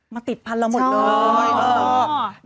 มาติดพันเราหมดเลย